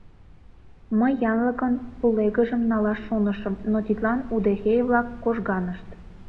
Мый янлыкын лулегыжым налаш шонышым, но тидлан удэхей-влак кожганышт.